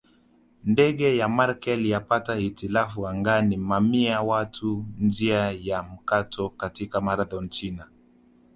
Ndege ya Merkel yapata hitilafu angani Mamia watumia njia ya mkato katika Marathon China